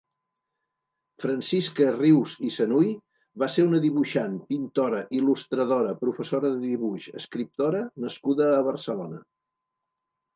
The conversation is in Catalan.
Francisca Rius i Sanuy va ser una dibuixant, pintora, il·lustradora, professora de dibuix, escriptora nascuda a Barcelona.